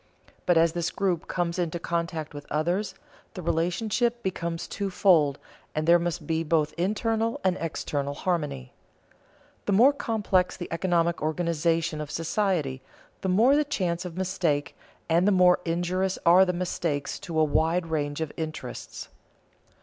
But as this group comes into contact with others, the relationship becomes two fold, and there must be both internal and external harmony. The more complex the economic organization of society, the more the chance of mistake and the more injurious are the mistakes to a wide range of interests.